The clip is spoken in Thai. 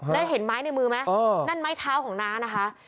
แล้วเห็นไม้ในมือไหมนั่นไม้เท้าของน้านะคะ